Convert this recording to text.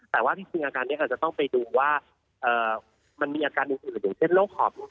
แต่ว่าจริงอาการนี้อาจจะต้องไปดูว่ามันมีอาการอื่นแบบเลือดผมที่เรื่องละทำ